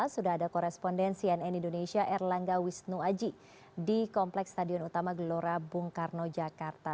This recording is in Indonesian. sudah ada korespondensi nn indonesia erlangga wisnu aji di kompleks stadion utama gelora bung karno jakarta